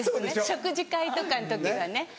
食事会とかの時はね。